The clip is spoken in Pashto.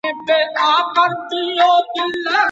قلمي خط د دلایلو د راټولولو لاره ده.